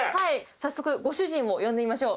早速ご主人を呼んでみましょう。